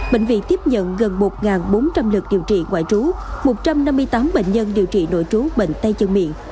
bệnh viện tiếp nhận gần một bốn trăm linh lượt điều trị ngoại trú một trăm năm mươi tám bệnh nhân điều trị nội trú bệnh tay chân miệng